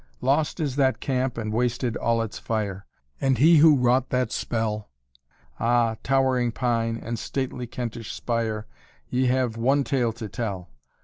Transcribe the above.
Lost is that camp and wasted all its fire, And he who wro't that spell; Ah, towering pine and stately Kentish spire, Ye have one tale to tell.